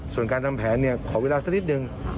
ส่วนการทำแผนขอเวลาสักนิดนึง